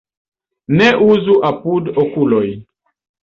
Ne uzu apud okuloj.